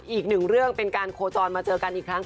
อีกหนึ่งเรื่องเป็นการโคจรมาเจอกันอีกครั้ง